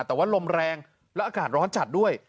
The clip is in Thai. แต่ว่าลมแรงและอากาศร้อนจัดด้วย